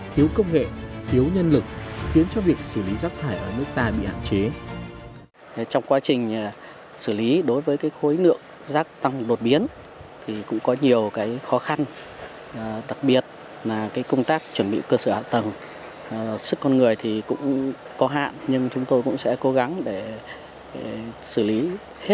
thiếu công nghệ thiếu nhân lực khiến cho việc xử lý rác thải ở nước ta bị hạn chế